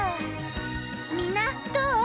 みんなどう？